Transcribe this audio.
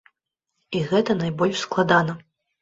І гэта найбольш складана.